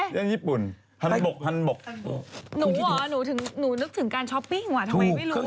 ถึงว่าหมอทำสายอาชีพก็เก่ง